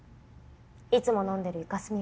いつも飲んでるイカスミ